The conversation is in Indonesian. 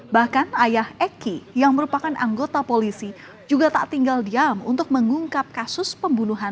bahkan ayah eki yang merupakan anggota polisi juga tak tinggal diam untuk mengungkap kasus pembunuhan